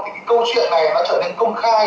thì câu chuyện này đã trở nên công khai